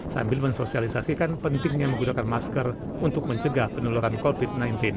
sambil mensosialisasikan pentingnya menggunakan masker untuk mencegah penularan covid sembilan belas